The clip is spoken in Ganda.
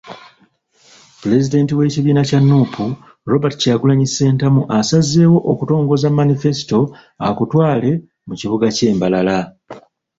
Pulezidenti w'ekibiina kya Nuupu, Robert Kyagulanyi Ssentamu, asazeewo okutongoza Manifesto akutwale mu kibuga ky'e Mbarara.